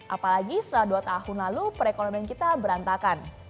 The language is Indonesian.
apalagi setelah dua tahun lalu perekonomian kita berantakan